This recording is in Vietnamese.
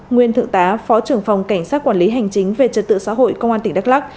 nguyên thượng tá phó trưởng phòng cảnh sát quản lý hành chính về trật tự xã hội công an tỉnh đắk lắc